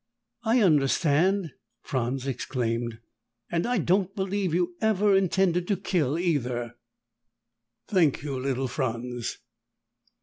"I understand!" Franz exclaimed. "And I don't believe you ever intended to kill either!" "Thank you, little Franz."